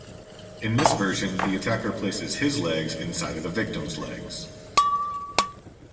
In this version the attacker places his legs inside of the victim's legs.